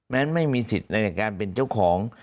ไม่มีสิทธิ์ในการเป็นเจ้าของ